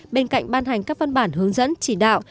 bên cạnh ban hành các văn bản hướng dẫn chỉ đạo